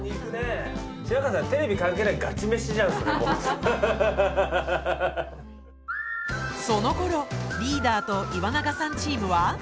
そのころリーダーと岩永さんチームは。